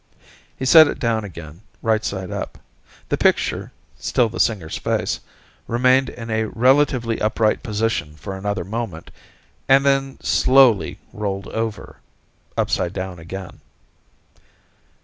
He set it down again, right side up. The picture, still the singer's face, remained in a relatively upright position for another moment, and then slowly rolled over, upside down again.